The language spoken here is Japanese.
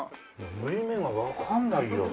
縫い目がわかんないよ。